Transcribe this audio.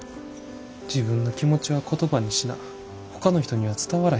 自分の気持ちは言葉にしなほかの人には伝わらへんやろ？